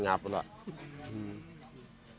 น้องตายแล้ว